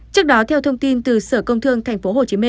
trước đó theo thông tin từ sở công thương tp hcm